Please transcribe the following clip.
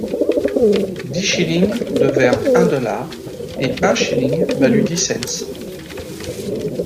Dix shillings devinrent un dollar et un shilling valut dix cents.